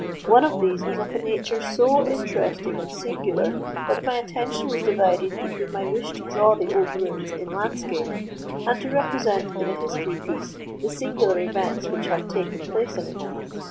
One of these was of a nature so interesting and singular, that my attention was divided between my wish to draw the old ruins in landscape, and to represent, in a history piece, the singular events which have taken place in it.